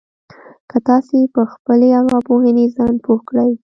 که تاسې په خپلې ارواپوهنې ځان پوه کړئ.